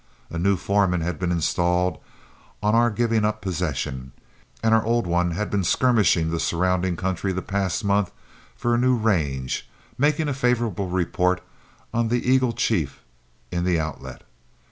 A new foreman had been installed on our giving up possession, and our old one had been skirmishing the surrounding country the past month for a new range, making a favorable report on the Eagle Chief in the Outlet.